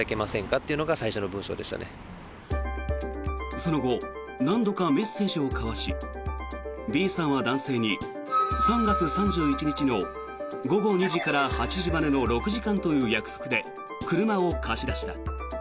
その後何度かメッセージを交わしＢさんは男性に３月３１日の午後２時から８時までの６時間という約束で車を貸し出した。